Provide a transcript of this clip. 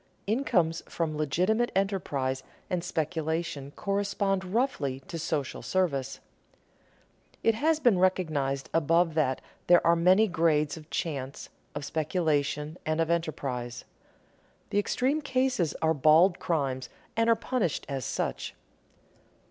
Incomes from legitimate enterprise and speculation correspond roughly to social service. It has been recognized above that there are many grades of chance, of speculation, and of enterprise. The extreme cases are bald crimes and are punished as such.